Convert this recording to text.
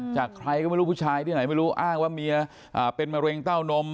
จากใครก็ไม่รู้ผู้ชายที่ไหนไม่รู้อ้างว่าเมียเป็นมะเร็งเต้านม